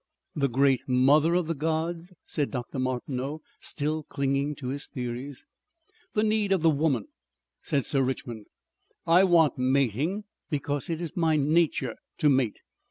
"The Great Mother of the Gods," said Dr. Martineau still clinging to his theories. "The need of the woman," said Sir Richmond. "I want mating because it is my nature to mate.